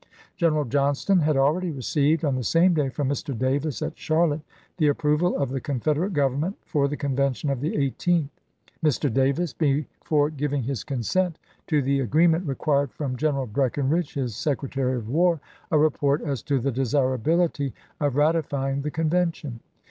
General Johnston had already received, on the same day, from Mr. Davis, at Charlotte, the approval of the Confederate Gov ernment for the convention of the 18th. Mr. Davis, before giving his consent to the agreement, required from General Breckinridge, his Secretary of War, a report as to the desirability of ratifying the con vention.